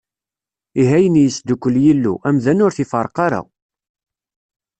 Ihi ayen i yesdukel Yillu, amdan ur t-iferreq ara!